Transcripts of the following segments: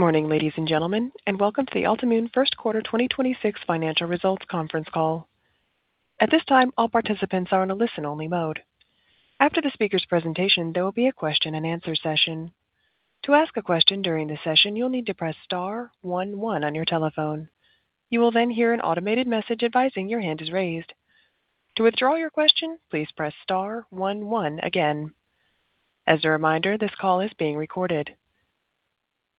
Good morning, ladies and gentlemen, and welcome to the Altimmune first quarter 2026 financial results conference call. At this time, all participants are on a listen-only mode. After the speaker's presentation, there will be a question and answer session. To ask a question during the session, you'll need to press star one one on your telephone. You will hear an automated message advising your hand is raised. To withdraw your question, please press star one one again. As a reminder, this call is being recorded.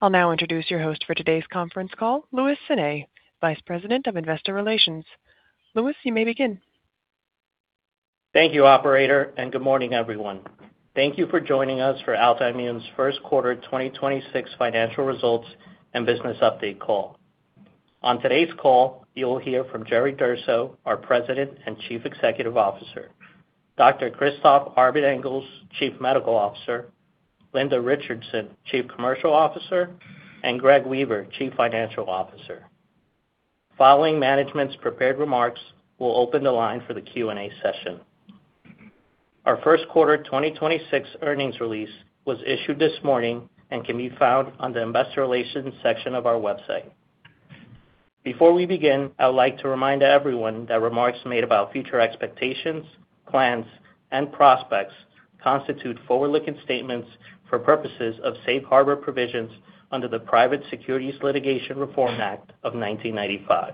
I'll now introduce your host for today's conference call, Luis Sanay, Vice President of Investor Relations. Luis, you may begin. Thank you, operator. Good morning, everyone. Thank you for joining us for Altimmune's first quarter 2026 financial results and business update call. On today's call, you will hear from Jerry Durso, our President and Chief Executive Officer; Dr. Christophe Arbet-Engels, Chief Medical Officer; Linda Richardson, Chief Commercial Officer; and Greg Weaver, Chief Financial Officer. Following management's prepared remarks, we'll open the line for the Q&A session. Our first quarter 2026 earnings release was issued this morning and can be found on the investor relations section of our website. Before we begin, I would like to remind everyone that remarks made about future expectations, plans and prospects constitute forward-looking statements for purposes of safe harbor provisions under the Private Securities Litigation Reform Act of 1995.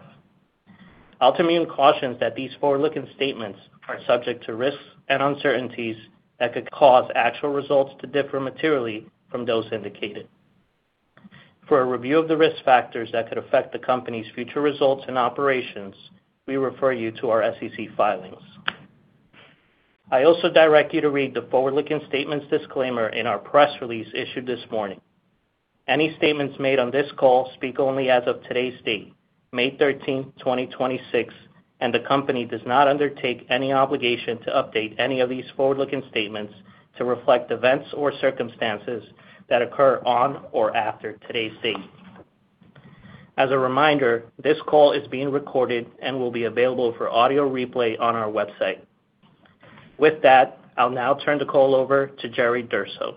Altimmune cautions that these forward-looking statements are subject to risks and uncertainties that could cause actual results to differ materially from those indicated. For a review of the risk factors that could affect the company's future results and operations, we refer you to our SEC filings. I also direct you to read the forward-looking statements disclaimer in our press release issued this morning. Any statements made on this call speak only as of today's date, May 13th, 2026, and the company does not undertake any obligation to update any of these forward-looking statements to reflect events or circumstances that occur on or after today's date. As a reminder, this call is being recorded and will be available for audio replay on our website. With that, I'll now turn the call over to Jerry Durso.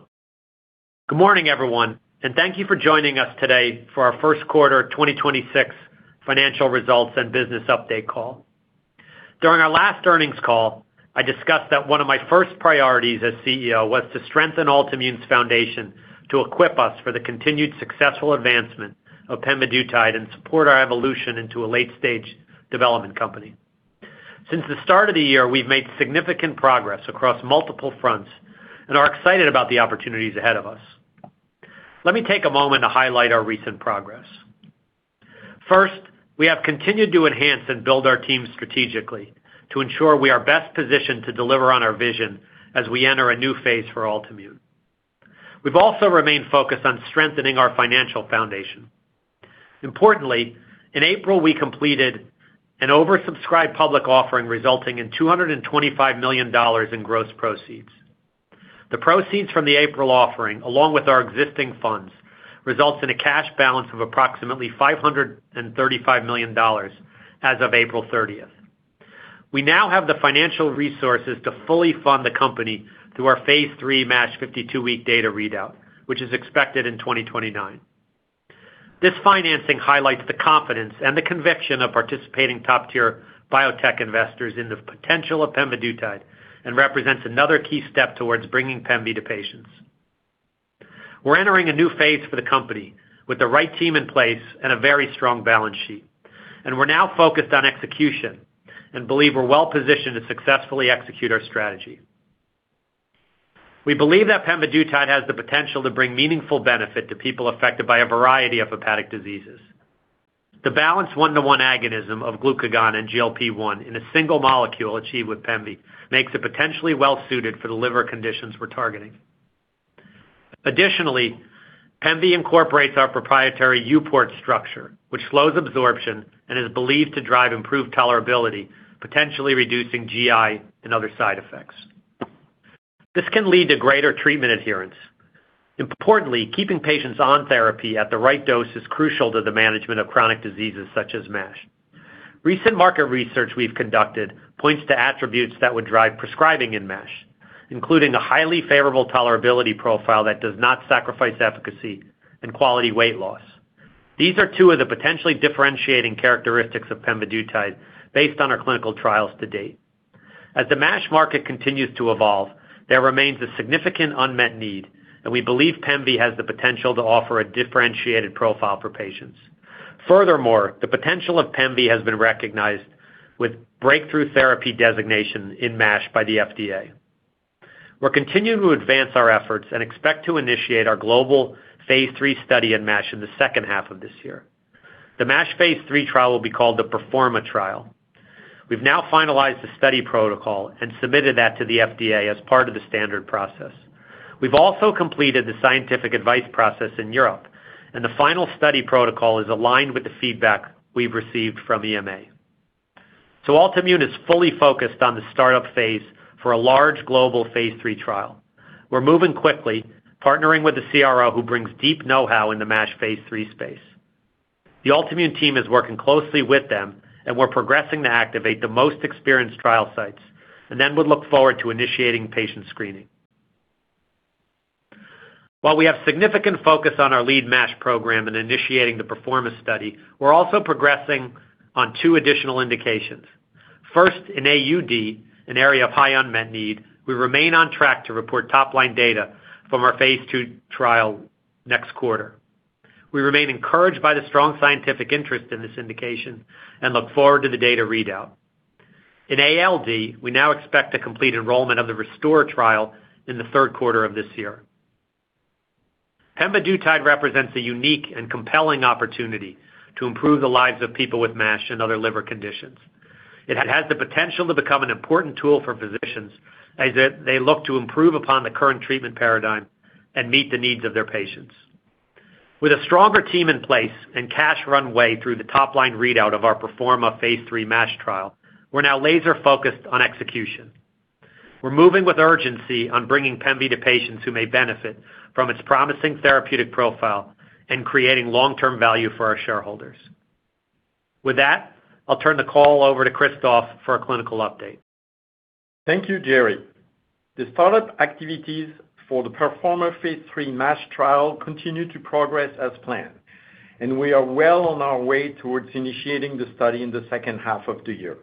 Good morning, everyone, and thank you for joining us today for our first quarter 2026 financial results and business update call. During our last earnings call, I discussed that one of my first priorities as CEO was to strengthen Altimmune's foundation to equip us for the continued successful advancement of pemvidutide and support our evolution into a late-stage development company. Since the start of the year, we've made significant progress across multiple fronts and are excited about the opportunities ahead of us. Let me take a moment to highlight our recent progress. First, we have continued to enhance and build our team strategically to ensure we are best positioned to deliver on our vision as we enter a new phase for Altimmune. We've also remained focused on strengthening our financial foundation. Importantly, in April, we completed an oversubscribed public offering resulting in $225 million in gross proceeds. The proceeds from the April offering, along with our existing funds, results in a cash balance of approximately $535 million as of April 13th. We now have the financial resources to fully fund the company through our phase III MASH 52-week data readout, which is expected in 2029. This financing highlights the confidence and the conviction of participating top-tier biotech investors in the potential of pemvidutide and represents another key step towards bringing pemvi to patients. We're entering a new phase for the company with the right team in place and a very strong balance sheet. We're now focused on execution and believe we're well-positioned to successfully execute our strategy. We believe that pemvidutide has the potential to bring meaningful benefit to people affected by a variety of hepatic diseases. The balanced one-to-one agonism of glucagon and GLP-1 in a single molecule achieved with pemvi makes it potentially well-suited for the liver conditions we're targeting. Additionally, pemvi incorporates our proprietary EuPort structure, which slows absorption and is believed to drive improved tolerability, potentially reducing GI and other side effects. This can lead to greater treatment adherence. Importantly, keeping patients on therapy at the right dose is crucial to the management of chronic diseases such as MASH. Recent market research we've conducted points to attributes that would drive prescribing in MASH, including a highly favorable tolerability profile that does not sacrifice efficacy and quality weight loss. These are two of the potentially differentiating characteristics of pemvidutide based on our clinical trials to date. As the MASH market continues to evolve, there remains a significant unmet need. We believe pemvi has the potential to offer a differentiated profile for patients. Furthermore, the potential of pemvi has been recognized with breakthrough therapy designation in MASH by the FDA. We're continuing to advance our efforts and expect to initiate our global phase III study in MASH in the second half of this year. The MASH phase III trial will be called the PERFORMA trial. We've now finalized the study protocol and submitted that to the FDA as part of the standard process. We've also completed the scientific advice process in Europe. The final study protocol is aligned with the feedback we've received from EMA. Altimmune is fully focused on the startup phase for a large global phase III trial. We're moving quickly, partnering with a CRO who brings deep know-how in the MASH phase III space. The Altimmune team is working closely with them, and we're progressing to activate the most experienced trial sites. We'll look forward to initiating patient screening. While we have significant focus on our lead MASH program in initiating the PERFORMA study, we're also progressing on two additional indications. First, in AUD, an area of high unmet need, we remain on track to report top-line data from our phase II trial next quarter. We remain encouraged by the strong scientific interest in this indication and look forward to the data readout. In ALD, we now expect to complete enrollment of the RESTORE trial in the third quarter of this year. pemvidutide represents a unique and compelling opportunity to improve the lives of people with MASH and other liver conditions. It has the potential to become an important tool for physicians as they look to improve upon the current treatment paradigm and meet the needs of their patients. With a stronger team in place and cash runway through the top-line readout of our PERFORMA phase III MASH trial, we're now laser-focused on execution. We're moving with urgency on bringing pemvi to patients who may benefit from its promising therapeutic profile and creating long-term value for our shareholders. With that, I'll turn the call over to Christophe for a clinical update. Thank you, Jerry. The startup activities for the PERFORMA phase III MASH trial continue to progress as planned, and we are well on our way towards initiating the study in the second half of the year.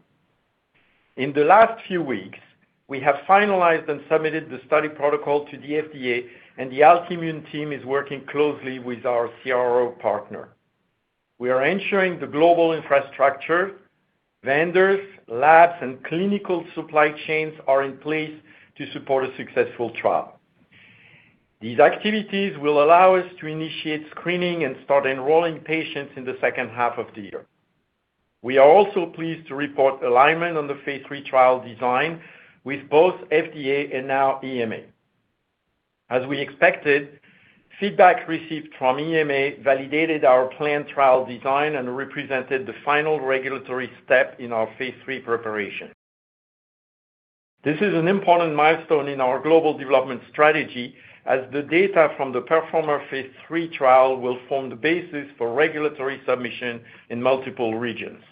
In the last few weeks, we have finalized and submitted the study protocol to the FDA, and the Altimmune team is working closely with our CRO partner. We are ensuring the global infrastructure, vendors, labs, and clinical supply chains are in place to support a successful trial. These activities will allow us to initiate screening and start enrolling patients in the second half of the year. We are also pleased to report alignment on the phase III trial design with both FDA and now EMA. As we expected, feedback received from EMA validated our planned trial design and represented the final regulatory step in our phase III preparation. This is an important milestone in our global development strategy as the data from the PERFORMA phase III trial will form the basis for regulatory submission in multiple regions.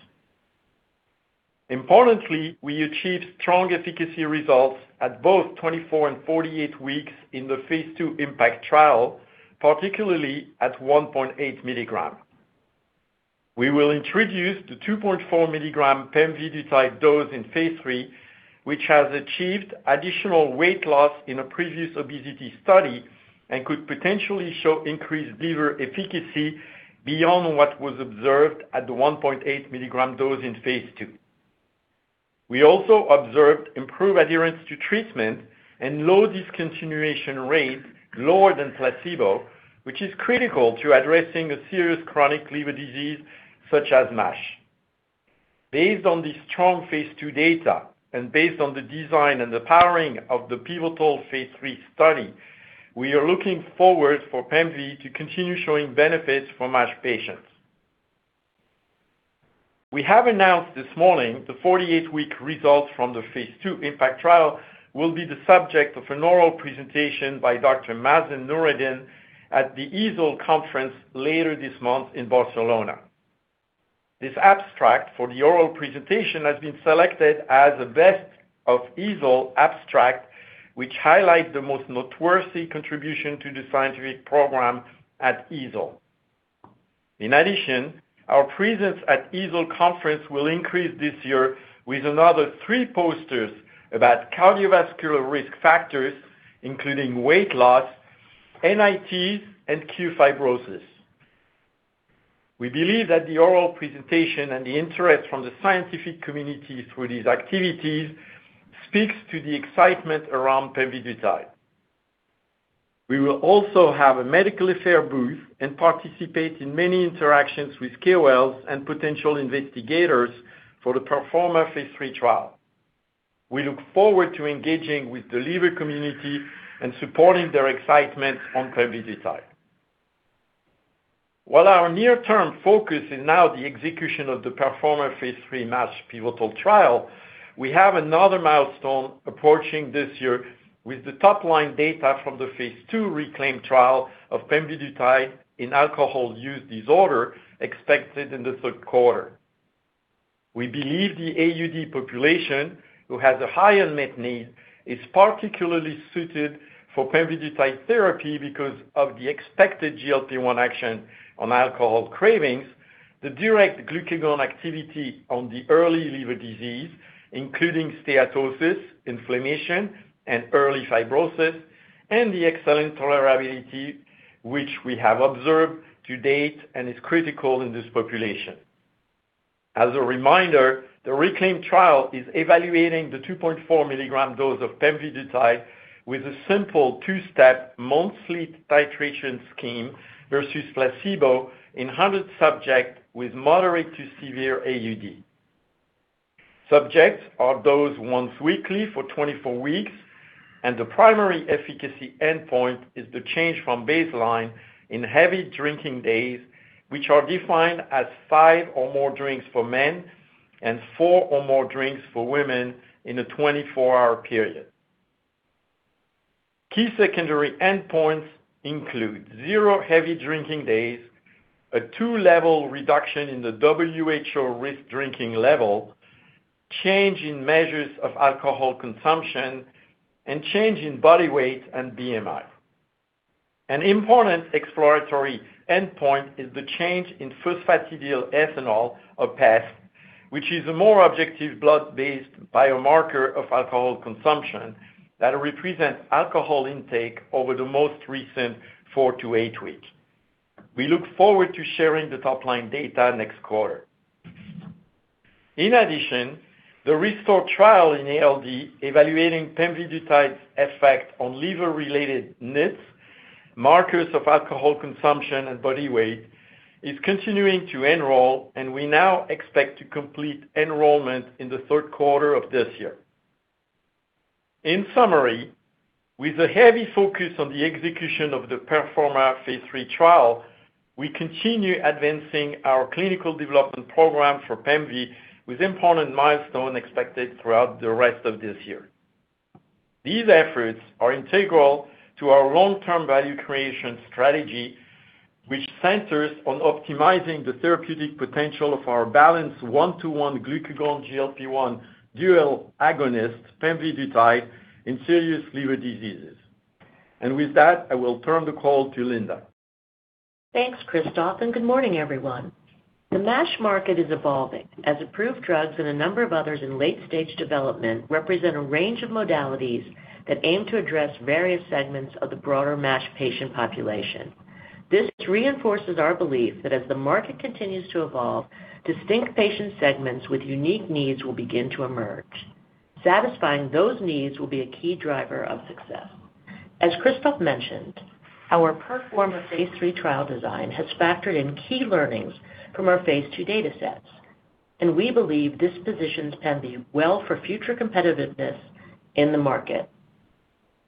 Importantly, we achieved strong efficacy results at both 24 and 48 weeks in the phase II IMPACT trial, particularly at 1.8 mg. We will introduce the 2.4 mg pemvidutide dose in phase III, which has achieved additional weight loss in a previous obesity study and could potentially show increased liver efficacy beyond what was observed at the 1.8 mg dose in phase II. We also observed improved adherence to treatment and low discontinuation rate, lower than placebo, which is critical to addressing a serious chronic liver disease, such as MASH. Based on the strong phase II data and based on the design and the powering of the pivotal phase III study, we are looking forward for pemvi to continue showing benefits for MASH patients. We have announced this morning the 48-week results from the phase II IMPACT trial will be the subject of an oral presentation by Dr. Mazen Noureddin at the EASL conference later this month in Barcelona. This abstract for the oral presentation has been selected as a best of EASL abstract, which highlight the most noteworthy contribution to the scientific program at EASL. In addition, our presence at EASL conference will increase this year with another three posters about cardiovascular risk factors, including weight loss, NIT, and qFibrosis. We believe that the oral presentation and the interest from the scientific community through these activities speaks to the excitement around pemvidutide. We will also have a medical affair booth and participate in many interactions with KOLs and potential investigators for the PERFORMA phase III trial. We look forward to engaging with the liver community and supporting their excitement on pemvidutide. While our near-term focus is now the execution of the PERFORMA phase III MASH pivotal trial, we have another milestone approaching this year with the top-line data from the phase II RECLAIM trial of pemvidutide in alcohol use disorder expected in the 3rd quarter. We believe the AUD population, who has a high unmet need, is particularly suited for pemvidutide therapy because of the expected GLP-1 action on alcohol cravings, the direct glucagon activity on the early liver disease, including steatosis, inflammation, and early fibrosis, and the excellent tolerability which we have observed to date and is critical in this population. As a reminder, the RECLAIM trial is evaluating the 2.4 mg dose of pemvidutide with a simple two-step monthly titration scheme versus placebo in 100 subject with moderate to severe AUD. Subjects are dosed once weekly for 24 weeks, and the primary efficacy endpoint is the change from baseline in heavy drinking days, which are defined as five or more drinks for men and four or more drinks for women in a 24-hour period. Key secondary endpoints include zero heavy drinking days, a two-level reduction in the WHO risk drinking level, change in measures of alcohol consumption, and change in body weight and BMI. An important exploratory endpoint is the change in phosphatidylethanol, or PEth, which is a more objective blood-based biomarker of alcohol consumption that represents alcohol intake over the most recent 4-8 weeks. We look forward to sharing the top-line data next quarter. In addition, the RESTORE trial in ALD evaluating pemvidutide's effect on liver-related NAS, markers of alcohol consumption, and body weight is continuing to enroll. We now expect to complete enrollment in the 3rd quarter of this year. In summary, with a heavy focus on the execution of the PERFORMA Phase III trial, we continue advancing our clinical development program for pemvi with important milestones expected throughout the rest of this year. These efforts are integral to our long-term value creation strategy, which centers on optimizing the therapeutic potential of our balanced 1-to-1 glucagon GLP-1 dual agonist, pemvidutide, in serious liver diseases. With that, I will turn the call to Linda. Thanks, Christophe, and good morning, everyone. The MASH market is evolving as approved drugs and a number of others in late-stage development represent a range of modalities that aim to address various segments of the broader MASH patient population. This reinforces our belief that as the market continues to evolve, distinct patient segments with unique needs will begin to emerge. Satisfying those needs will be a key driver of success. As Christophe mentioned, our IMPACT Phase III trial design has factored in key learnings from our Phase II data sets, and we believe this positions pemvi well for future competitiveness in the market.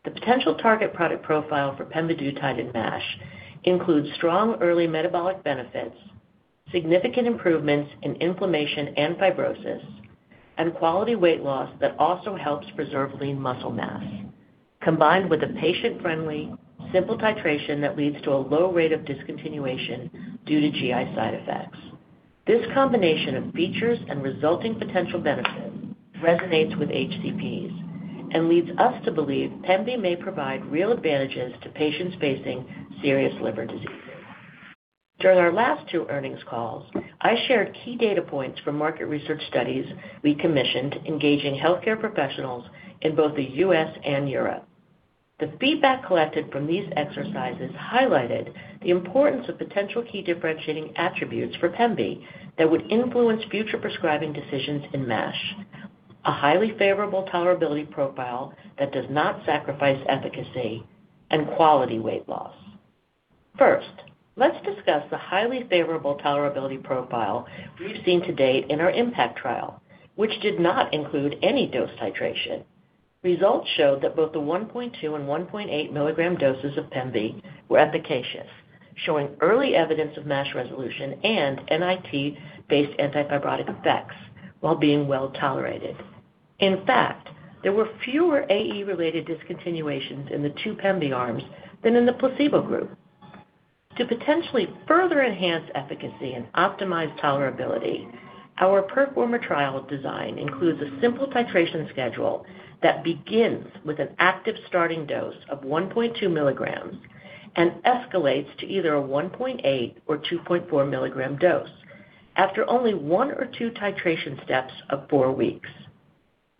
The potential target product profile for pemvidutide in MASH includes strong early metabolic benefits, significant improvements in inflammation and fibrosis, and quality weight loss that also helps preserve lean muscle mass, combined with a patient-friendly, simple titration that leads to a low rate of discontinuation due to GI side effects. This combination of features and resulting potential benefits resonates with HCPs and leads us to believe pemvi may provide real advantages to patients facing serious liver diseases. During our last two earnings calls, I shared key data points from market research studies we commissioned engaging healthcare professionals in both the U.S. and Europe. The feedback collected from these exercises highlighted the importance of potential key differentiating attributes for pemvi that would influence future prescribing decisions in MASH, a highly favorable tolerability profile that does not sacrifice efficacy and quality weight loss. First, let's discuss the highly favorable tolerability profile we've seen to date in our IMPACT trial, which did not include any dose titration. Results showed that both the 1.2 and 1.8 mg doses of pemvi were efficacious, showing early evidence of MASH resolution and NIT-based anti-fibrotic effects while being well-tolerated. In fact, there were fewer AE-related discontinuations in the two pemvi arms than in the placebo group. To potentially further enhance efficacy and optimize tolerability, our IMPACT trial design includes a simple titration schedule that begins with an active starting dose of 1.2 mgs and escalates to either a 1.8 or 2.4 mg dose after only one or two titration steps of four weeks.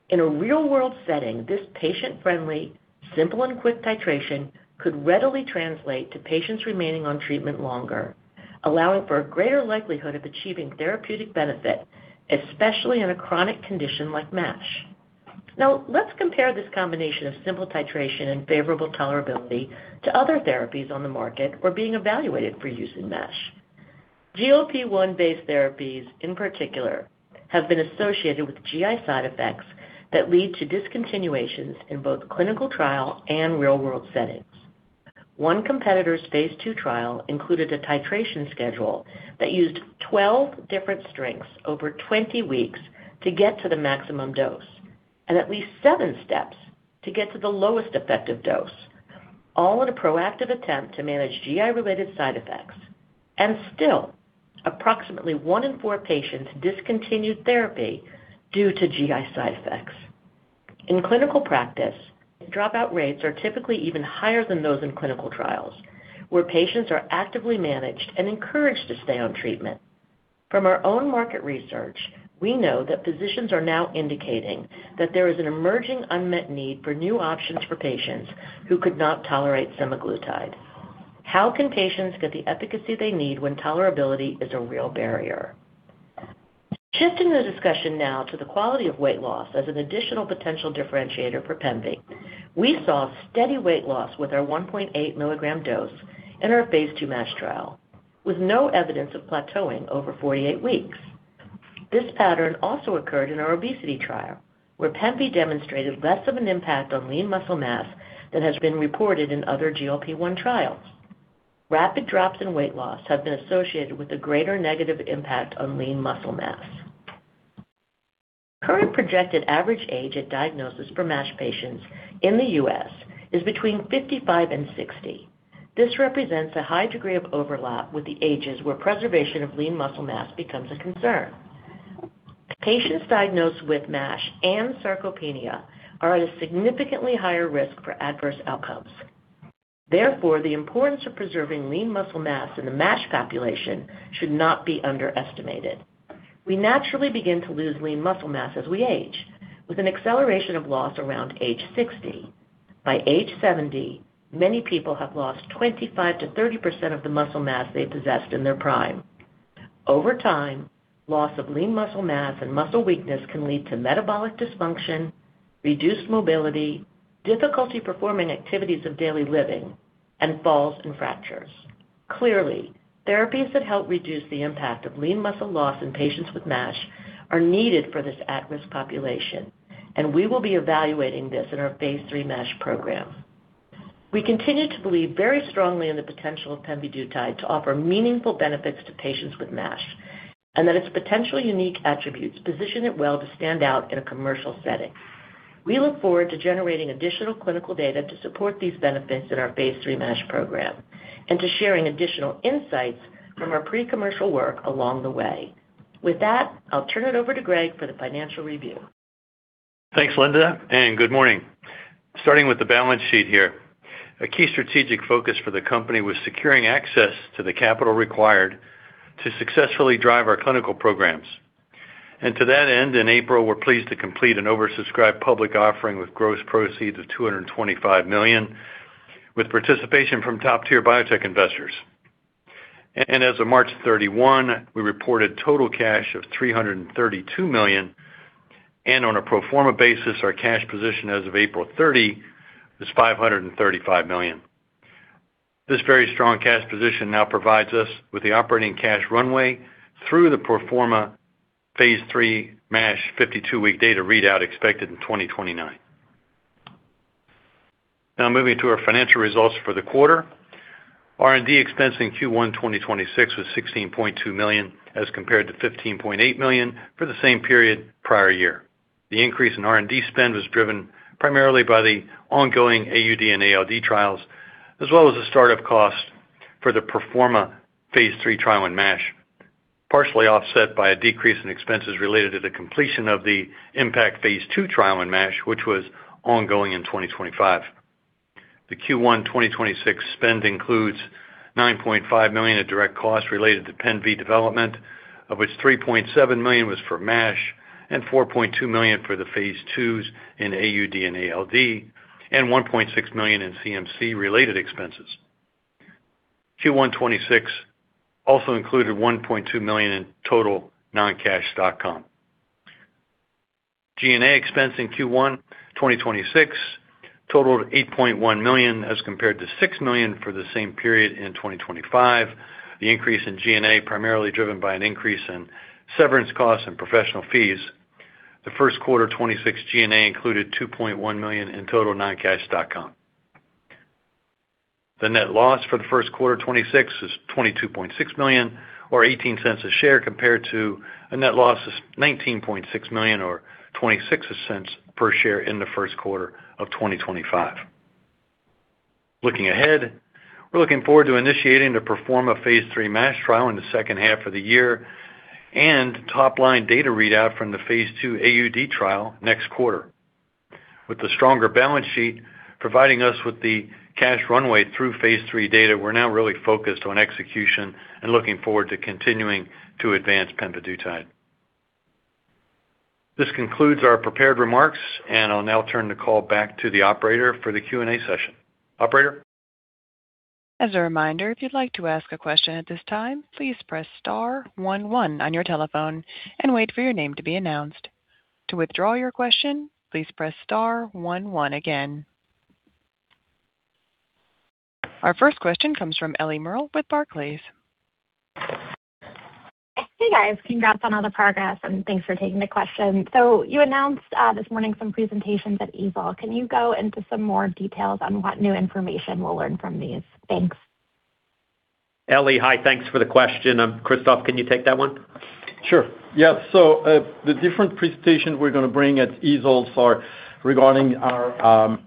In a real-world setting, this patient-friendly, simple, and quick titration could readily translate to patients remaining on treatment longer, allowing for a greater likelihood of achieving therapeutic benefit, especially in a chronic condition like MASH. Let's compare this combination of simple titration and favorable tolerability to other therapies on the market or being evaluated for use in MASH. GLP-1 based therapies, in particular, have been associated with GI side effects that lead to discontinuations in both clinical trial and real-world settings. One competitor's phase II trial included a titration schedule that used 12 different strengths over 20 weeks to get to the maximum dose and at least seven steps to get to the lowest effective dose, all in a proactive attempt to manage GI-related side effects. Still, approximately one in four patients discontinued therapy due to GI side effects. In clinical practice, dropout rates are typically even higher than those in clinical trials, where patients are actively managed and encouraged to stay on treatment. From our own market research, we know that physicians are now indicating that there is an emerging unmet need for new options for patients who could not tolerate semaglutide. How can patients get the efficacy they need when tolerability is a real barrier? Shifting the discussion now to the quality of weight loss as an additional potential differentiator for pemvi, we saw steady weight loss with our 1.8 mg dose in our phase II MASH trial, with no evidence of plateauing over 48 weeks. This pattern also occurred in our obesity trial, where pemvi demonstrated less of an impact on lean muscle mass than has been reported in other GLP-1 trials. Rapid drops in weight loss have been associated with a greater negative impact on lean muscle mass. Current projected average age at diagnosis for MASH patients in the U.S. is between 55 and 60. This represents a high degree of overlap with the ages where preservation of lean muscle mass becomes a concern. Patients diagnosed with MASH and sarcopenia are at a significantly higher risk for adverse outcomes. Therefore, the importance of preserving lean muscle mass in the MASH population should not be underestimated. We naturally begin to lose lean muscle mass as we age, with an acceleration of loss around age 60. By age 70, many people have lost 25%-30% of the muscle mass they possessed in their prime. Over time, loss of lean muscle mass and muscle weakness can lead to metabolic dysfunction, reduced mobility, difficulty performing activities of daily living, and falls and fractures. Clearly, therapies that help reduce the impact of lean muscle loss in patients with MASH are needed for this at-risk population, and we will be evaluating this in our phase III MASH program. We continue to believe very strongly in the potential of pemvidutide to offer meaningful benefits to patients with MASH, and that its potential unique attributes position it well to stand out in a commercial setting. We look forward to generating additional clinical data to support these benefits in our phase III MASH program and to sharing additional insights from our pre-commercial work along the way. With that, I'll turn it over to Greg for the financial review. Thanks, Linda. Good morning. Starting with the balance sheet here. A key strategic focus for the company was securing access to the capital required to successfully drive our clinical programs. To that end, in April, we're pleased to complete an oversubscribed public offering with gross proceeds of $225 million, with participation from top-tier biotech investors. As of March 31, we reported total cash of $332 million, and on a pro forma basis, our cash position as of April 30 is $535 million. This very strong cash position now provides us with the operating cash runway through the pro forma Phase III MASH 52-week data readout expected in 2029. Moving to our financial results for the quarter. R&D expense in Q1 2026 was $16.2 million, as compared to $15.8 million for the same period prior year. The increase in R&D spend was driven primarily by the ongoing AUD and ALD trials, as well as the start-up cost for the PERFORMA phase III trial in MASH, partially offset by a decrease in expenses related to the completion of the IMPACT phase II trial in MASH, which was ongoing in 2025. The Q1 2026 spend includes $9.5 million in direct costs related to pemvidutide development, of which $3.7 million was for MASH and $4.2 million for the phase IIs in AUD and ALD, and $1.6 million in CMC related expenses. Q1 2026 also included $1.2 million in total non-cash stock comp. G&A expense in Q1 2026 totaled $8.1 million, as compared to $6 million for the same period in 2025. The increase in G&A primarily driven by an increase in severance costs and professional fees. The first quarter 2026 G&A included $2.1 million in total non-cash stock comp. The net loss for the first quarter 2026 is $22.6 million or $0.18 a share, compared to a net loss of $19.6 million or $0.26 per share in the first quarter of 2025. Looking ahead, we're looking forward to initiating the PERFORMA phase III MASH trial in the second half of the year and top-line data readout from the phase II AUD trial next quarter. With the stronger balance sheet providing us with the cash runway through phase III data, we're now really focused on execution and looking forward to continuing to advance pemvidutide. This concludes our prepared remarks, and I'll now turn the call back to the operator for the Q&A session. Operator? As a reminder, if you'd like to ask a question at this time, please press star one one on your telephone and wait for your name to be announced. To withdraw your question, please press star one one again. Our first question comes from Ellie Merle with Barclays. Hey, guys. Congrats on all the progress, and thanks for taking the question. You announced this morning some presentations at EASL. Can you go into some more details on what new information we'll learn from these? Thanks. Ellie, hi. Thanks for the question. Christophe, can you take that one? Sure. Yeah. The different presentations we're going to bring at EASL are regarding our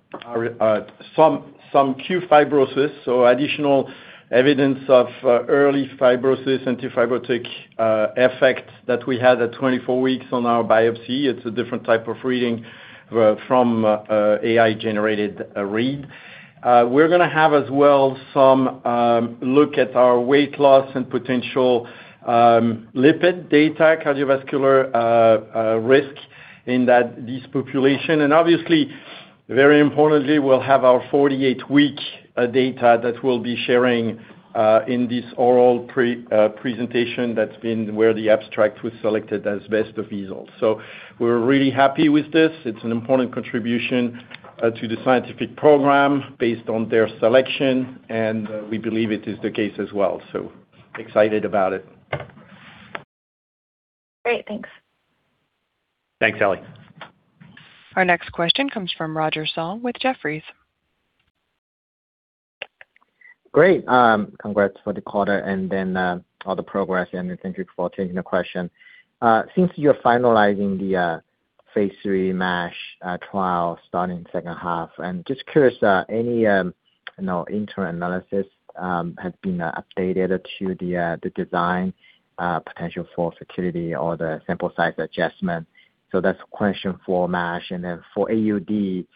qFibrosis, so additional evidence of early fibrosis, antifibrotic effects that we had at 24 weeks on our biopsy. It's a different type of reading from AI-generated read. We're going to have as well some look at our weight loss and potential lipid data, cardiovascular risk in this population. Obviously, very importantly, we'll have our 48-week data that we'll be sharing in this oral presentation that's been where the abstract was selected as best of EASL. We're really happy with this. It's an important contribution to the scientific program based on their selection, we believe it is the case as well. Excited about it. Great. Thanks. Thanks, Ellie. Our next question comes from Roger Song with Jefferies. Great. Congrats for the quarter and all the progress, and thank you for taking the question. Since you're finalizing the phase III MASH trial starting second half, I'm just curious, you know, interim analysis has been updated to the design, potential for futility or the sample size adjustment. That's a question for MASH. Then for AUD, you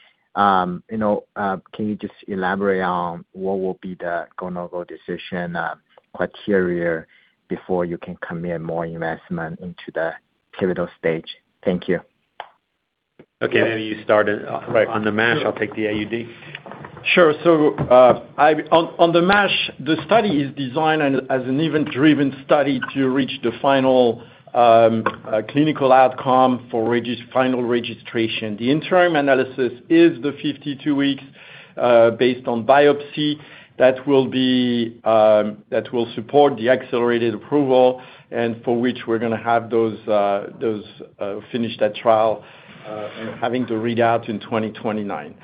know, can you just elaborate on what will be the go/no-go decision criteria before you can commit more investment into the pivotal stage? Thank you. Okay. Maybe you start. Right. On the MASH. I'll take the AUD. On the MASH, the study is designed as an event-driven study to reach the final clinical outcome for final registration. The interim analysis is the 52 weeks, based on biopsy that will support the accelerated approval and for which we're going to have those finish that trial having to read out in 2029.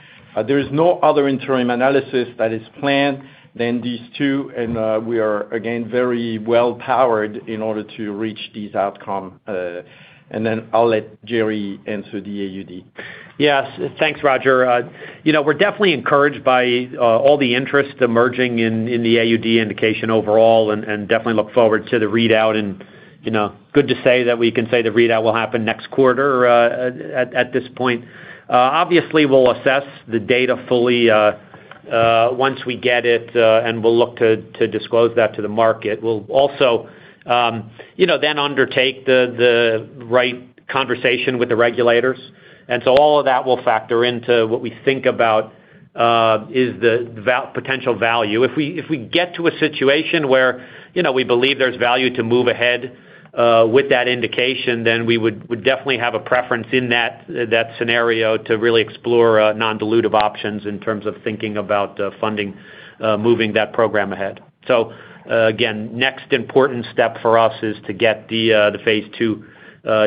There is no other interim analysis that is planned than these two, and we are again very well powered in order to reach these outcome. I'll let Jerry answer the AUD. Yes. Thanks, Roger Song. You know, we're definitely encouraged by all the interest emerging in the AUD indication overall and definitely look forward to the readout and, you know, good to say that we can say the readout will happen next quarter at this point. Obviously, we'll assess the data fully once we get it and we'll look to disclose that to the market. We'll also, you know, then undertake the right conversation with the regulators. All of that will factor into what we think about is the potential value. If we get to a situation where, you know, we believe there's value to move ahead with that indication, then we would definitely have a preference in that scenario to really explore non-dilutive options in terms of thinking about funding moving that program ahead. Again, next important step for us is to get the phase II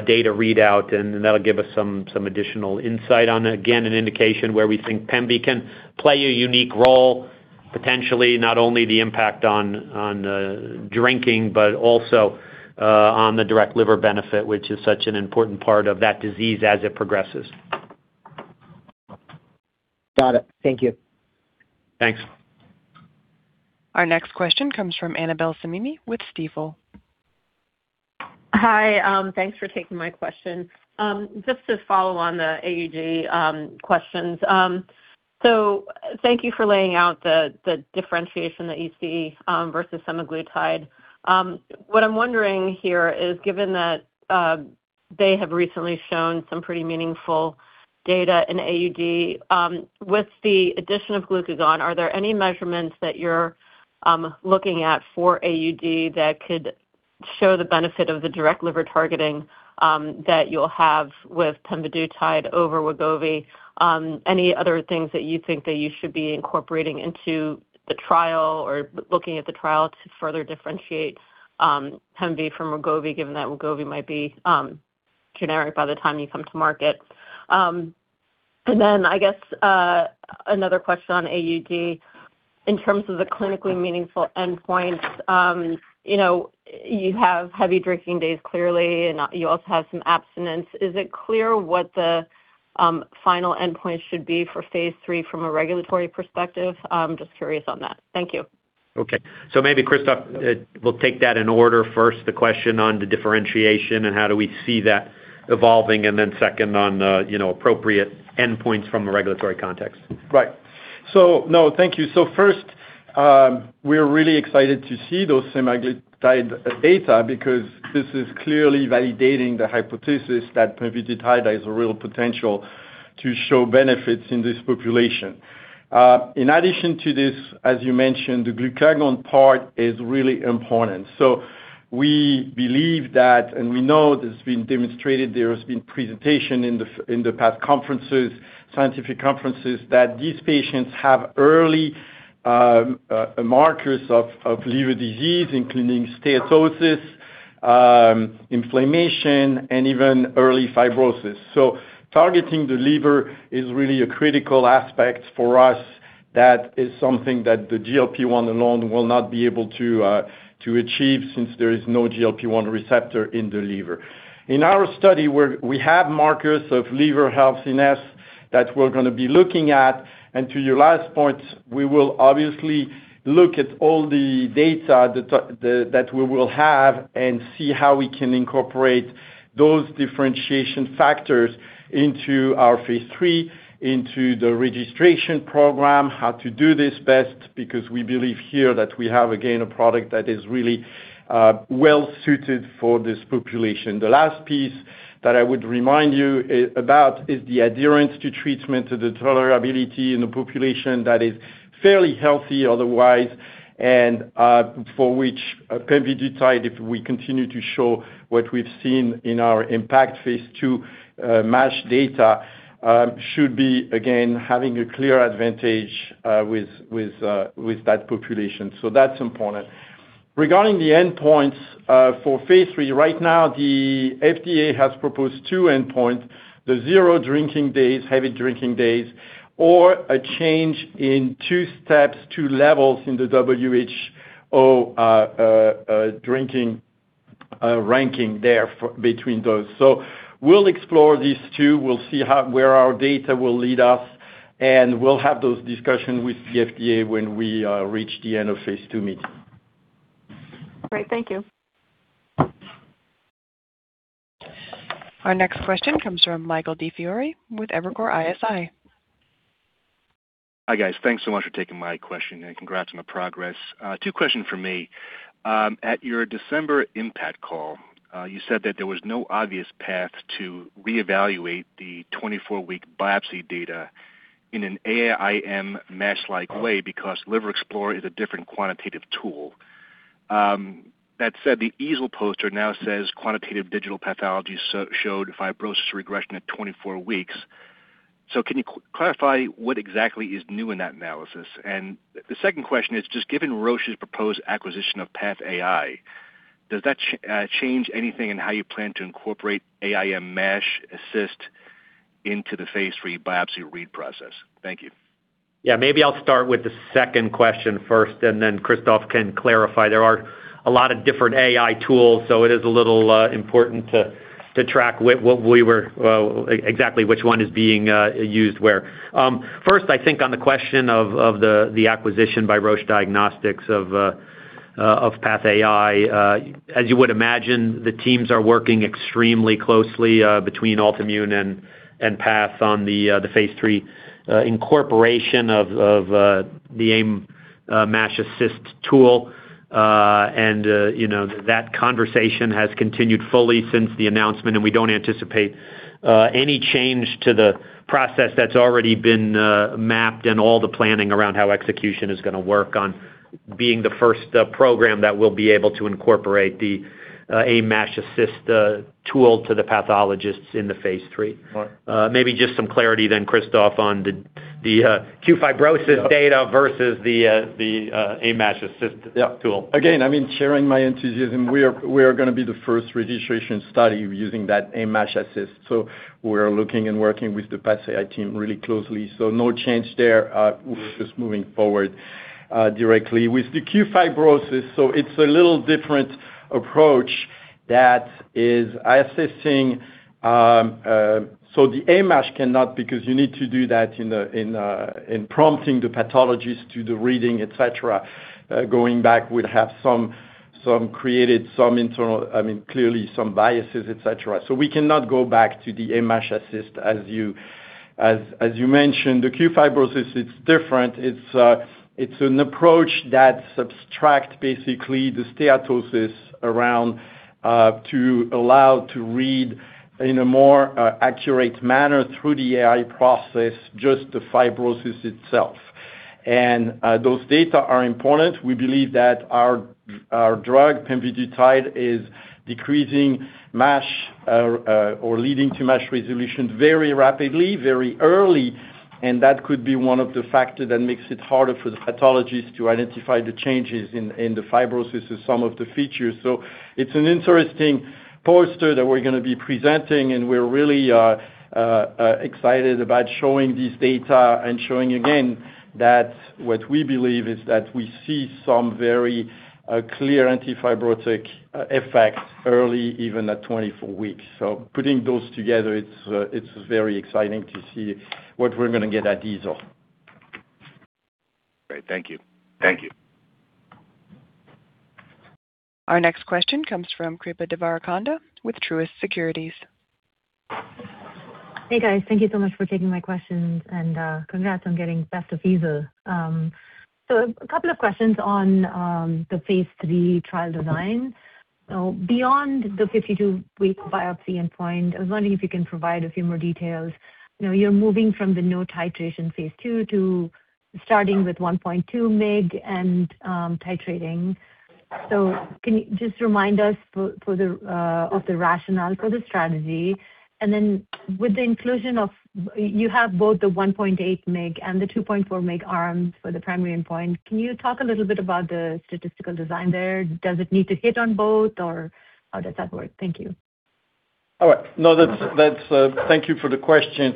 data readout, and that'll give us some additional insight on, again, an indication where we think pemvi can play a unique role, potentially not only the impact on drinking, but also on the direct liver benefit, which is such an important part of that disease as it progresses. Got it. Thank you. Thanks. Our next question comes from Annabel Samimy with Stifel. Hi. Thanks for taking my question. Just to follow on the AUD questions. Thank you for laying out the differentiation that you see versus semaglutide. What I'm wondering here is, given that they have recently shown some pretty meaningful data in AUD with the addition of glucagon, are there any measurements that you're looking at for AUD that could show the benefit of the direct liver targeting that you'll have with pemvidutide over Wegovy? Any other things that you think that you should be incorporating into the trial or looking at the trial to further differentiate pemvi from Wegovy, given that Wegovy might be generic by the time you come to market? Then I guess another question on AUD. In terms of the clinically meaningful endpoints, you know, you have heavy drinking days, clearly, and you also have some abstinence. Is it clear what the final endpoint should be for phase III from a regulatory perspective? I'm just curious on that. Thank you. Okay. Maybe Christophe will take that in order. First, the question on the differentiation and how do we see that evolving, and then second on the, you know, appropriate endpoints from a regulatory context. No, thank you. First, we're really excited to see those semaglutide data because this is clearly validating the hypothesis that pemvidutide has a real potential to show benefits in this population. In addition to this, as you mentioned, the glucagon part is really important. We believe that, and we know this has been demonstrated, there has been presentation in the past conferences, scientific conferences, that these patients have early markers of liver disease, including steatosis, inflammation, and even early fibrosis. Targeting the liver is really a critical aspect for us. That is something that the GLP-1 alone will not be able to achieve since there is no GLP-1 receptor in the liver. In our study, we have markers of liver healthiness that we're gonna be looking at. To your last point, we will obviously look at all the data that we will have and see how we can incorporate those differentiation factors into our phase III, into the registration program, how to do this best, because we believe here that we have, again, a product that is really well suited for this population. The last piece that I would remind you about is the adherence to treatment, to the tolerability in the population that is fairly healthy otherwise, and for which pemvidutide, if we continue to show what we've seen in our IMPACT phase II MASH data, should be again having a clear advantage with that population. That's important. Regarding the endpoints, for phase III, right now, the FDA has proposed two endpoints, the zero drinking days, heavy drinking days, or a change in two steps, two levels in the WHO drinking ranking between those. We'll explore these two. We'll see where our data will lead us, and we'll have those discussions with the FDA when we reach the end of phase II meeting. Great. Thank you. Our next question comes from Michael DiFiore with Evercore ISI. Hi, guys. Thanks so much for taking my question, congrats on the progress. Two questions from me. At your December IMPACT call, you said that there was no obvious path to reevaluate the 24-week biopsy data in an AIM-MASH-like way because Liver Explore is a different quantitative tool. That said, the EASL poster now says quantitative digital pathology showed fibrosis regression at 24 weeks. Can you clarify what exactly is new in that analysis? The second question is just given Roche's proposed acquisition of PathAI, does that change anything in how you plan to incorporate AIM-MASH AI Assist into the phase III biopsy read process? Thank you. Maybe I'll start with the second question first, and then Christophe can clarify. There are a lot of different AI tools, so it is a little important to track exactly which one is being used where. First, I think on the question of the acquisition by Roche Diagnostics of PathAI. As you would imagine, the teams are working extremely closely between Altimmune and Path on the phase III incorporation of the AIM-MASH AI Assist. You know, that conversation has continued fully since the announcement, and we don't anticipate any change to the process that's already been mapped and all the planning around how execution is gonna work on being the first program that will be able to incorporate the AIM-MASH AI Assist tool to the pathologists in the phase III. Right. Maybe just some clarity then, Christophe, on the qFibrosis data versus the AIM-MASH AI Assist? Yeah. Again, I mean, sharing my enthusiasm, we are gonna be the first registration study using that AIM-MASH AI Assist. We're looking and working with the PathAI team really closely. No change there. We're just moving forward directly. With the qFibrosis, it's a little different approach that is assessing. The AIM-MASH cannot because you need to do that in the, in prompting the pathologist to the reading, et cetera. Going back, we'd have some created, some internal, I mean, clearly some biases, et cetera. We cannot go back to the AIM-MASH AI Assist as you mentioned. The qFibrosis, it's different. It's an approach that subtract basically the steatosis around to allow to read in a more accurate manner through the AI process, just the fibrosis itself. Those data are important. We believe that our drug, pemvidutide, is decreasing MASH or leading to MASH resolution very rapidly, very early, and that could be one of the factor that makes it harder for the pathologist to identify the changes in the fibrosis or some of the features. It's an interesting poster that we're gonna be presenting, and we're really excited about showing this data and showing again that what we believe is that we see some very clear anti-fibrotic effects early, even at 24 weeks. Putting those together, it's very exciting to see what we're gonna get at EASL. Great. Thank you. Thank you. Our next question comes from Srikripa Devarakonda with Truist Securities. Hey, guys. Thank you so much for taking my questions and congrats on getting accepted to EASL. A couple of questions on the phase III trial design. Beyond the 52-week biopsy endpoint, I was wondering if you can provide a few more details. You know, you're moving from the no titration phase II to starting with 1.2 mg and titrating. Can you just remind us for the rationale for the strategy? Then with the inclusion of You have both the 1.8 mg and the 2.4 mg arms for the primary endpoint. Can you talk a little bit about the statistical design there? Does it need to hit on both or how does that work? Thank you. All right. No, that's. Thank you for the questions.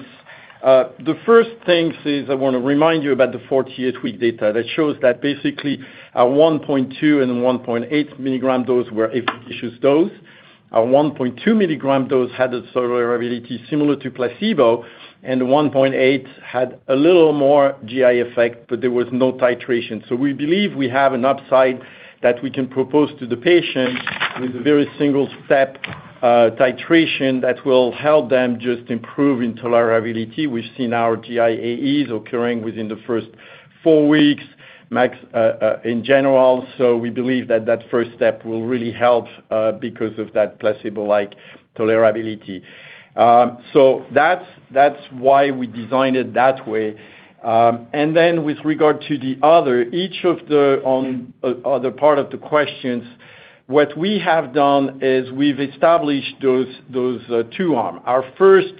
The first thing is I wanna remind you about the 48 week data that shows that basically our 1.2 mg and 1.8 mg dose were efficient dose. Our 1.2 mg dose had a tolerability similar to placebo, and the 1.8 had a little more GI effect, but there was no titration. We believe we have an upside that we can propose to the patient with a very single step titration that will help them just improve in tolerability. We've seen our GI AEs occurring within the first four weeks max in general. We believe that that first step will really help because of that placebo-like tolerability. That's, that's why we designed it that way. With regard to the other part of the questions. What we have done is we've established those two arm. Our first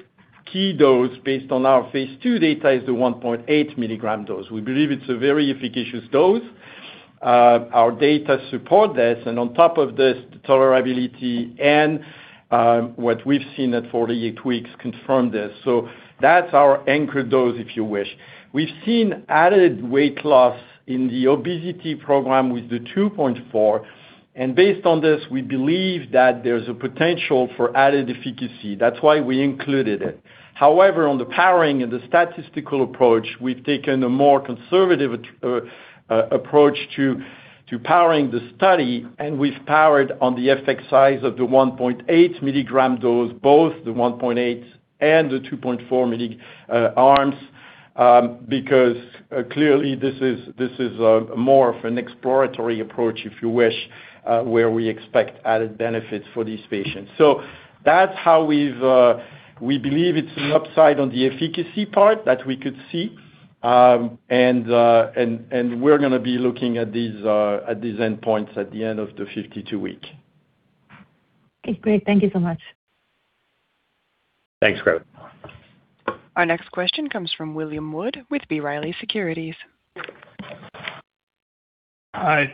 key dose based on our phase II data is the 1.8 mg dose. We believe it's a very efficacious dose. Our data support this, and on top of this, the tolerability and what we've seen at 48 weeks confirm this. That's our anchor dose, if you wish. We've seen added weight loss in the obesity program with the 2.4, based on this, we believe that there's a potential for added efficacy. That's why we included it. However, on the powering and the statistical approach, we've taken a more conservative approach to powering the study, and we've powered on the effect size of the 1.8 mg dose, both the 1.8 and the 2.4 mg. Because clearly this is more of an exploratory approach, if you wish, where we expect added benefits for these patients. That's how we've, we believe it's an upside on the efficacy part that we could see. And we're gonna be looking at these at these endpoints at the end of the 52-week. Okay, great. Thank you so much. Thanks, Kripa. Our next question comes from William Wood with B. Riley Securities. Hi.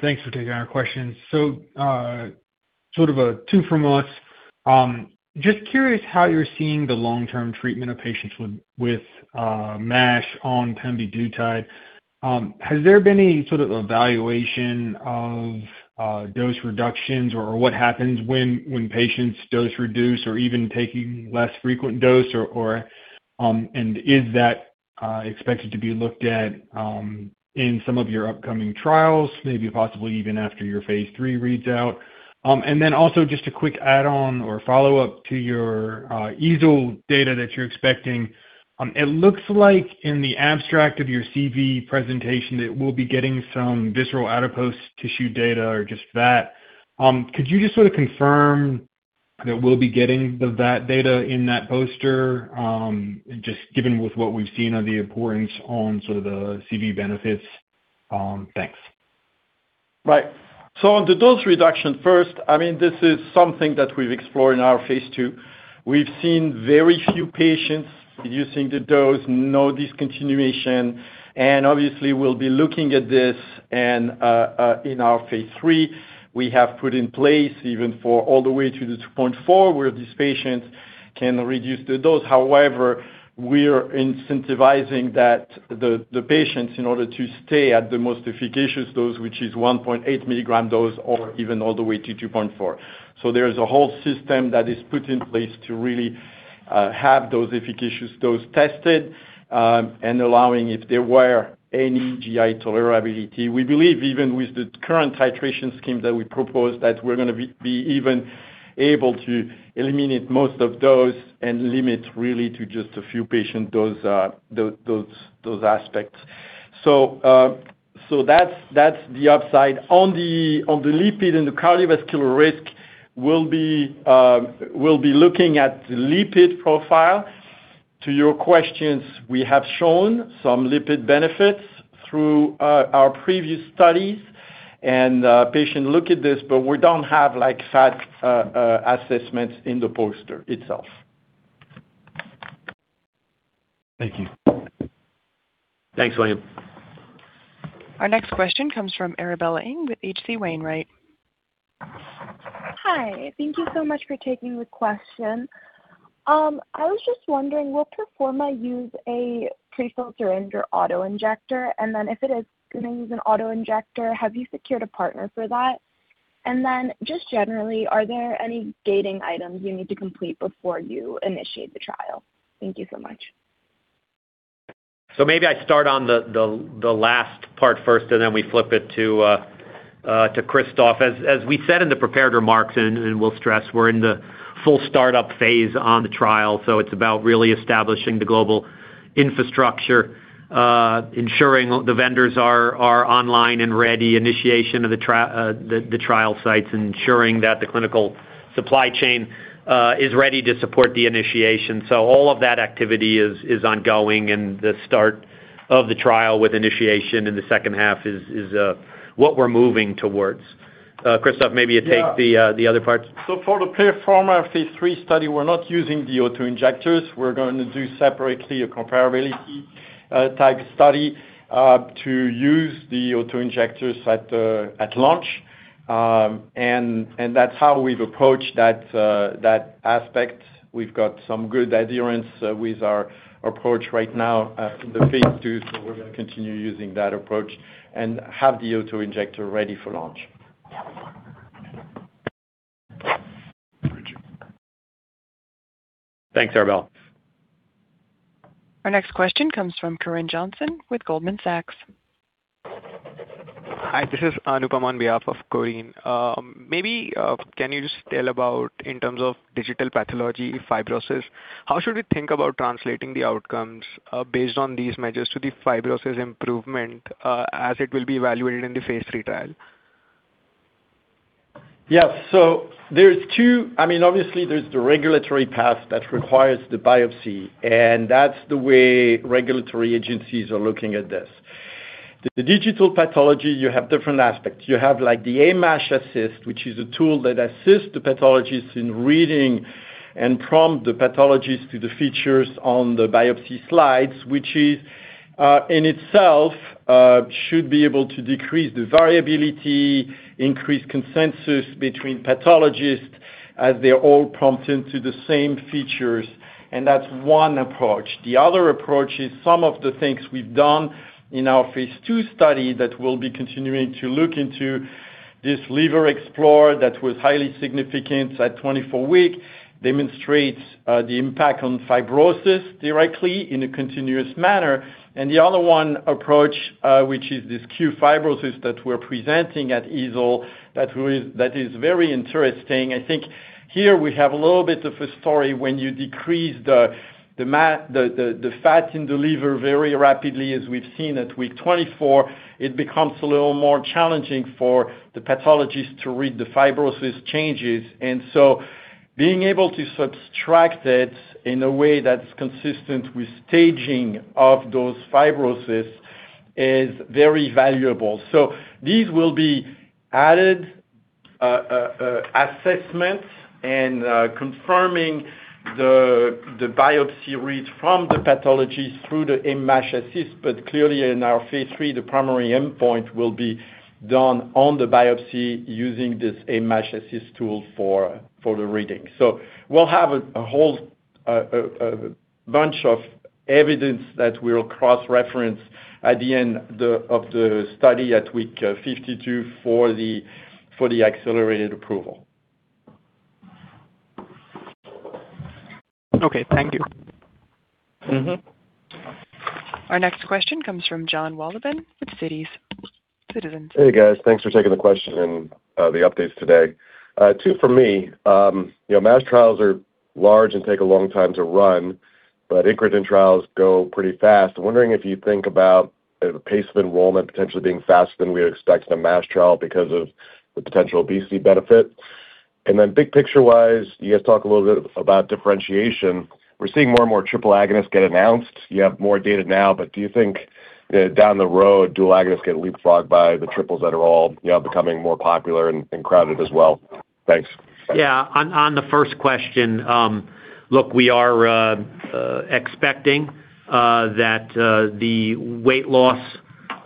Thanks for taking our questions. Sort of a two from us. Just curious how you're seeing the long-term treatment of patients with MASH on pemvidutide. Has there been any sort of evaluation of dose reductions or what happens when patients dose reduce or even taking less frequent dose or is that expected to be looked at in some of your upcoming trials, maybe possibly even after your phase III reads out? Then also just a quick add-on or follow-up to your EASL data that you're expecting. It looks like in the abstract of your CV presentation that we'll be getting some visceral adipose tissue data or just that? Could you just sort of confirm that we'll be getting that data in that poster, just given with what we've seen on the importance on sort of the CV benefits? Thanks. Right. On the dose reduction first, I mean, this is something that we've explored in our phase II. We've seen very few patients reducing the dose, no discontinuation, and obviously we'll be looking at this and in our phase III. We have put in place even for all the way to the 2.4, where these patients can reduce the dose. However, we are incentivizing that the patients in order to stay at the most efficacious dose, which is 1.8 mg dose or even all the way to 2.4. There's a whole system that is put in place to really have those efficacious dose tested, and allowing if there were any GI tolerability. We believe even with the current titration scheme that we propose, that we're gonna be even able to eliminate most of dose and limit really to just a few patient dose aspects. That's the upside. On the lipid and the cardiovascular risk, we'll be looking at lipid profile. To your questions, we have shown some lipid benefits through our previous studies and patient look at this, but we don't have like fat assessments in the poster itself. Thank you. Thanks, William. Our next question comes from Arabella Ng with H.C. Wainwright. Hi. Thank you so much for taking the question. I was just wondering, will PERFORMA use a pre-filled syringe or auto-injector? If it is gonna use an auto-injector, have you secured a partner for that? Just generally, are there any gating items you need to complete before you initiate the trial? Thank you so much. Maybe I start on the last part first, and then we flip it to Christophe. As we said in the prepared remarks, and we'll stress, we're in the full startup phase on the trial. It's about really establishing the global infrastructure, ensuring the vendors are online and ready, initiation of the trial sites, ensuring that the clinical supply chain is ready to support the initiation. All of that activity is ongoing and the start of the trial with initiation in the second half is what we're moving towards. Christophe, maybe you take the- Yeah. The other parts. For the PERFORMA phase III study, we're not using the auto-injectors. We're going to do separately a comparability type study to use the auto-injectors at launch. That's how we've approached that aspect. We've got some good adherence with our approach right now from the phase II. We're gonna continue using that approach and have the auto-injector ready for launch. Thanks, Arabella. Our next question comes from Corinne Johnson with Goldman Sachs. Hi, this is Anupam on behalf of Corinne. Maybe, can you just tell about in terms of digital pathology fibrosis, how should we think about translating the outcomes based on these measures to the fibrosis improvement as it will be evaluated in the phase III trial? Yes. I mean, obviously, there's the two regulatory path that requires the biopsy, and that's the way regulatory agencies are looking at this. The digital pathology, you have different aspects. You have like the AIM-MASH AI Assist, which is a tool that assists the pathologists in reading and prompt the pathologists to the features on the biopsy slides, which is in itself should be able to decrease the variability, increase consensus between pathologists as they're all prompted to the same features, that's one approach. The other approach is some of the things we've done in our phase II study that we'll be continuing to look into this Liver Explore that was highly significant at 24 week, demonstrates the impact on fibrosis directly in a continuous manner. The other one approach, which is this qFibrosis that we're presenting at EASL that is very interesting. I think here we have a little bit of a story when you decrease the fat in the liver very rapidly as we've seen at week 24, it becomes a little more challenging for the pathologist to read the fibrosis changes. Being able to subtract it in a way that's consistent with staging of those fibrosis is very valuable. These will be added assessments and confirming the biopsy read from the pathology through the AIM-MASH AI Assist. Clearly in our phase III, the primary endpoint will be done on the biopsy using this AIM-MASH AI Assist tool for the reading. We'll have a whole bunch of evidence that we'll cross-reference at the end of the study at week 52 for the accelerated approval. Okay. Thank you. Our next question comes from Jon Wolleben with Citizens. Hey, guys. Thanks for taking the question and the updates today. Two for me. You know, MASH trials are large and take a long time to run, but incretin trials go pretty fast. I'm wondering if you think about the pace of enrollment potentially being faster than we expect in a MASH trial because of the potential obesity benefit. Then big picture-wise, you guys talk a little bit about differentiation. We're seeing more and more triple agonists get announced. You have more data now, but do you think, down the road, dual agonists get leapfrogged by the triples that are all, you know, becoming more popular and crowded as well? Thanks. Yeah. On the first question, look, we are expecting that the weight loss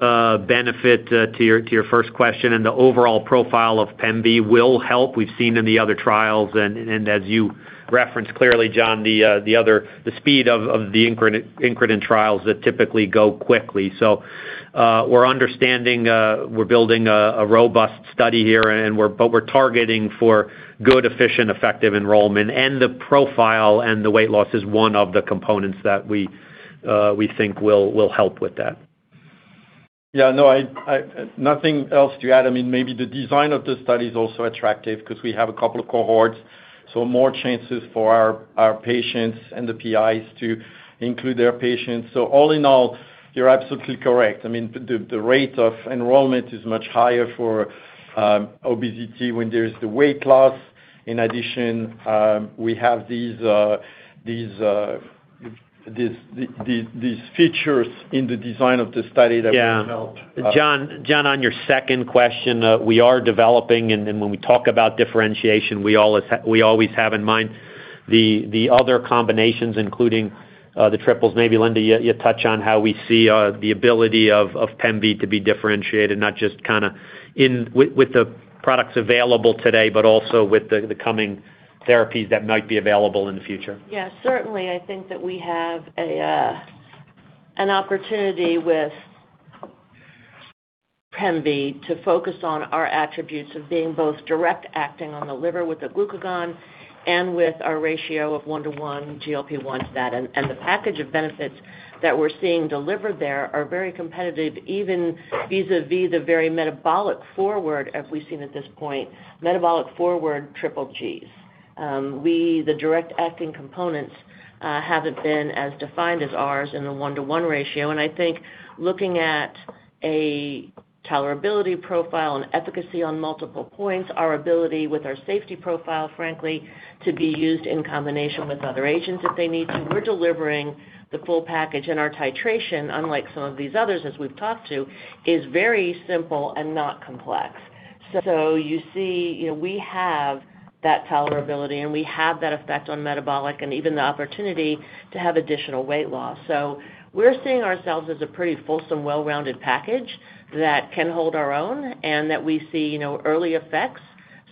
benefit to your first question and the overall profile of PEMB will help. We've seen in the other trials and as you referenced clearly, Jon, the other the speed of incretin trials that typically go quickly. We're understanding, we're building a robust study here but we're targeting for good, efficient, effective enrollment. The profile and the weight loss is one of the components that we think will help with that. No, I. Nothing else to add. I mean, maybe the design of the study is also attractive 'cause we have a couple of cohorts, so more chances for our patients and the PIs to include their patients. All in all, you're absolutely correct. I mean, the rate of enrollment is much higher for obesity when there is the weight loss. In addition, we have these features in the design of the study that will help Yeah. Jon, on your second question, we are developing and then when we talk about differentiation, we always have in mind the other combinations, including the triple G. Maybe Linda, you touch on how we see the ability of pemvidutide to be differentiated, not just kind of in with the products available today, but also with the coming therapies that might be available in the future. Yeah. Certainly, I think that we have an opportunity with PEMB to focus on our attributes of being both direct acting on the liver with the glucagon and with our ratio of 1-to-1 GLP-1 to that. The package of benefits that we're seeing delivered there are very competitive, even vis-a-vis the very metabolic forward as we've seen at this point, metabolic forward triple G. We the direct acting components haven't been as defined as ours in the 1-to-1 ratio. I think looking at a tolerability profile and efficacy on multiple points, our ability with our safety profile, frankly, to be used in combination with other agents if they need to, we're delivering the full package and our titration, unlike some of these others as we've talked to, is very simple and not complex. You see, you know, we have that tolerability, and we have that effect on metabolic and even the opportunity to have additional weight loss. We're seeing ourselves as a pretty fulsome, well-rounded package that can hold our own and that we see, you know, early effects,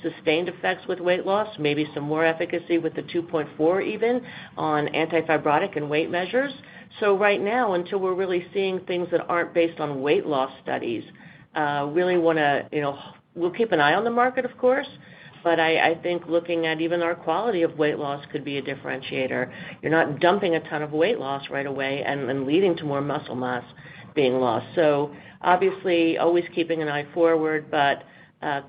sustained effects with weight loss, maybe some more efficacy with the 2.4 even on anti-fibrotic and weight measures. Right now, until we're really seeing things that aren't based on weight loss studies, really wanna, you know, we'll keep an eye on the market, of course, but I think looking at even our quality of weight loss could be a differentiator. You're not dumping a ton of weight loss right away and leading to more muscle mass being lost. Obviously, always keeping an eye forward, but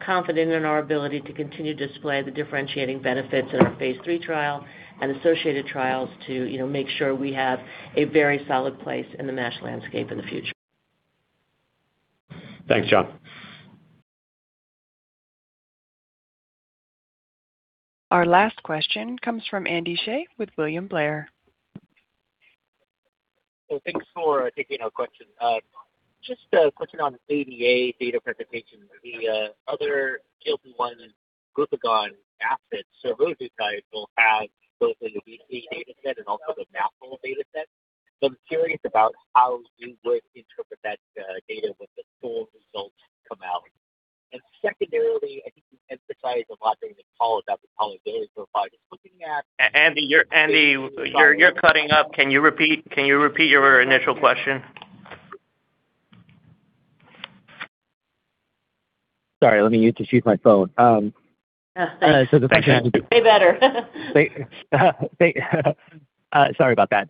confident in our ability to continue to display the differentiating benefits in our phase III trial and associated trials to, you know, make sure we have a very solid place in the MASH landscape in the future. Thanks, Jon. Our last question comes from Andy Hsieh with William Blair. Thanks for taking our question. Just a question on ADA data presentation. The other GLP-1 glucagon assets, those guys will have both in the BC dataset and also the MASLD dataset. I'm curious about how you would interpret that data when the full results come out. Secondarily, I think you emphasized a lot during the call about the tolerability profile. Andy, you're cutting up. Can you repeat your initial question? Sorry, let me just use my phone. Way better. Sorry about that.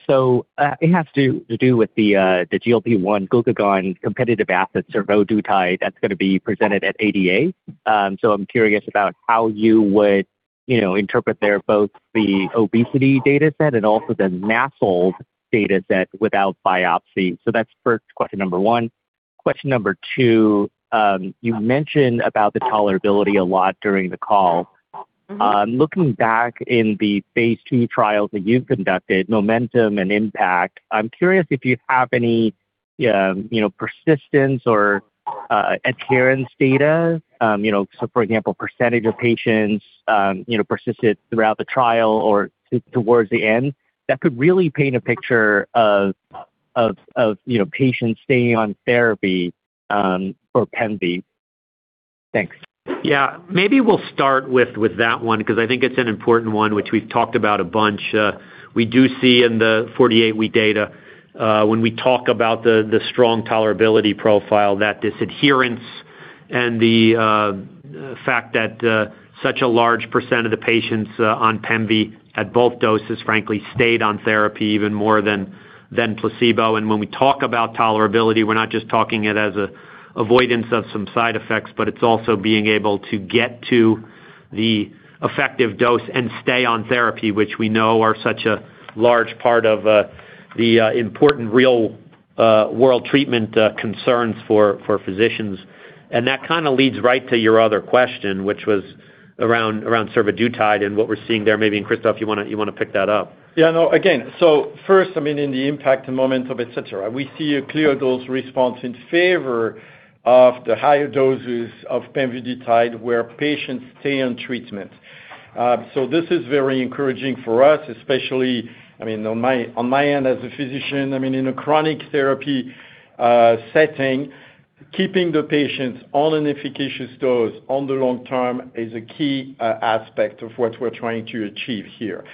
It has to do with the GLP-1 glucagon competitive assets or survodutide that's going to be presented at ADA. I'm curious about how you would, you know, interpret their both the obesity data set and also the MASLD data set without biopsy. That's first question number one. Question number two, you mentioned about the tolerability a lot during the call. Looking back in the phase II trials that you've conducted, MOMENTUM and IMPACT, I'm curious if you have any, you know, persistence or adherence data. You know, for example, percentage of patients, you know, persisted throughout the trial or towards the end. That could really paint a picture of, you know, patients staying on therapy for pemvi. Thanks. Yeah. Maybe we'll start with that one because I think it's an important one which we've talked about a bunch. We do see in the 48 week data, when we talk about the strong tolerability profile, that this adherence and the fact that such a large percent of the patients on pemvi at both doses, frankly, stayed on therapy even more than placebo. When we talk about tolerability, we're not just talking it as a avoidance of some side effects, but it's also being able to get to the effective dose and stay on therapy, which we know are such a large part of the important real world treatment concerns for physicians. That kind of leads right to your other question, which was around survodutide and what we're seeing there. Maybe, Christophe, you wanna pick that up. Yeah, no. Again, first, I mean, in the IMPACT, MOMENTUM, et cetera, we see a clear dose response in favor of the higher doses of pemvidutide where patients stay on treatment. This is very encouraging for us, especially, I mean, on my, on my end as a physician, I mean, in a chronic therapy setting, keeping the patients on an efficacious dose on the long term is a key aspect of what we're trying to achieve here.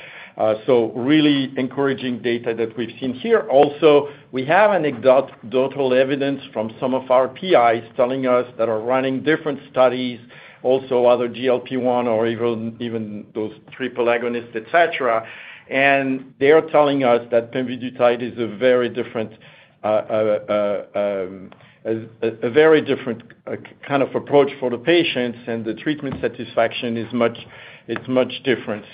Really encouraging data that we've seen here. Also, we have anecdotal evidence from some of our PIs telling us that are running different studies, also other GLP-1 or even those triple agonists, et cetera. They are telling us that pemvidutide is a very different kind of approach for the patients, and the treatment satisfaction is much, it's much different.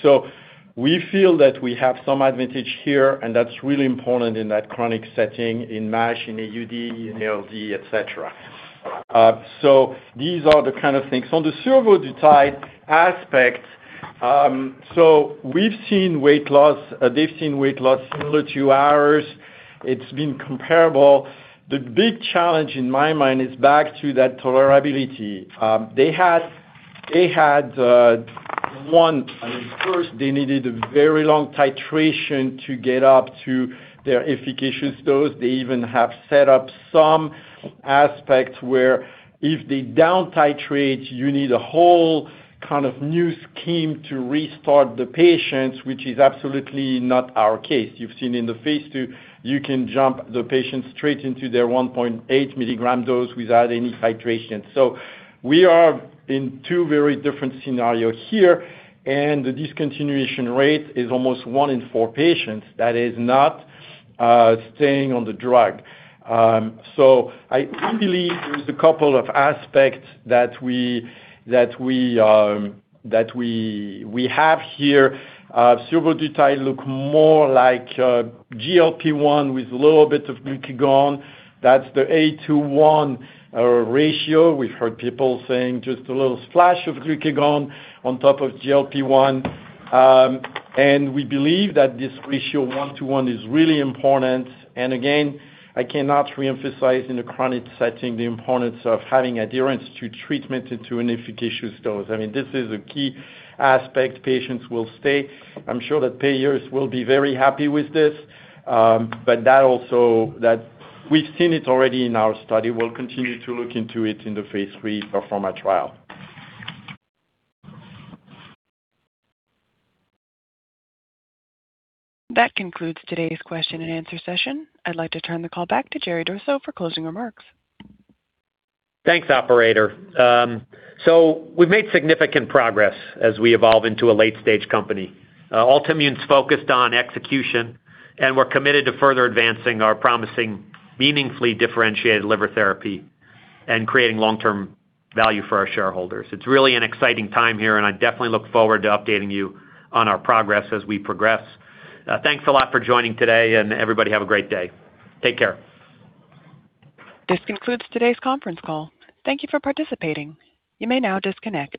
We feel that we have some advantage here, and that's really important in that chronic setting in MASH, in AUD, in ALD, et cetera. These are the kind of things. On the survodutide aspect, we've seen weight loss. They've seen weight loss similar to ours. It's been comparable. The big challenge in my mind is back to that tolerability. I mean, first, they needed a very long titration to get up to their efficacious dose. They even have set up some aspects where if they down titrate, you need a whole kind of new scheme to restart the patients, which is absolutely not our case. You've seen in the phase II, you can jump the patients straight into their 1.8 mg dose without any titration. We are in two very different scenarios here. The discontinuation rate is almost one in four patients that is not staying on the drug. I do believe there's a couple of aspects that we have here. Survodutide look more like GLP-1 with a little bit of glucagon. That's the eight to one ratio. We've heard people saying just a little splash of glucagon on top of GLP-1. We believe that this ratio one to one is really important. Again, I cannot reemphasize in a chronic setting the importance of having adherence to treatment into an efficacious dose. I mean, this is a key aspect. Patients will stay. I'm sure that payers will be very happy with this. That we've seen it already in our study. We'll continue to look into it in the phase III PERFORMA trial. That concludes today's question and answer session. I'd like to turn the call back to Jerry Durso for closing remarks. Thanks, operator. We've made significant progress as we evolve into a late-stage company. Altimmune's focused on execution, and we're committed to further advancing our promising meaningfully differentiated liver therapy and creating long-term value for our shareholders. It's really an exciting time here, and I definitely look forward to updating you on our progress as we progress. Thanks a lot for joining today, and everybody have a great day. Take care. This concludes today's conference call. Thank you for participating. You may now disconnect.